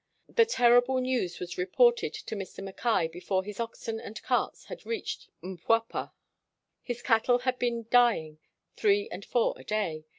The terrible news was reported to Mr. Mackay before his oxen and carts had reached Mpwapwa. His cattle had been dy ing three and four a day.